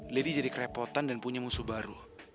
lady jadi kerepotan dan punya musuh baru